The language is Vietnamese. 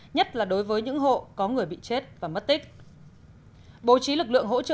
nhất là đối với những hộ có người bị chết và mất tích